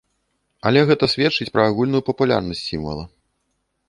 Але гэта сведчыць пра агульную папулярнасць сімвала.